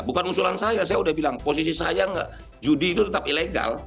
bukan usulan saya saya udah bilang posisi saya judi itu tetap ilegal